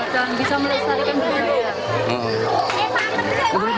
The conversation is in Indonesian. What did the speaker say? dan bisa melesatkan dunia